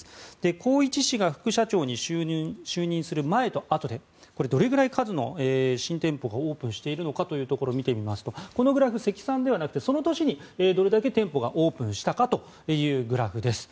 宏一氏が副社長に就任する前後でどれぐらいの数の新店舗がオープンしているか見てみますとこのグラフは積算ではなくその年にどれだけ店舗がオープンしたかというグラフです。